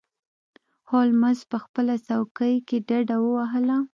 هولمز په خپله څوکۍ کې ډډه ووهله.